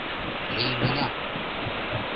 — Лийнена!